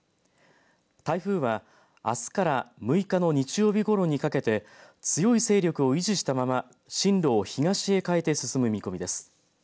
台風はあすから６日の日曜日ごろにかけて強い勢力を維持したまま進路を東へ変えて進む見込みです。